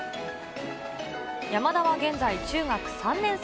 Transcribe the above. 山田は現在、中学３年生。